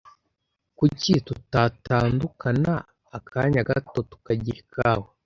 Kuki tutatandukana akanya gato tukagira ikawa?